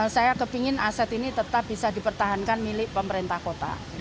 saya kepingin aset ini tetap bisa dipertahankan milik pemerintah kota